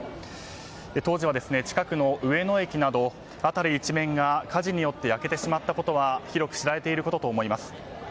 当時は近くの上野駅など辺り一面が火事によって焼けてしまったことは広く知られていることと思います。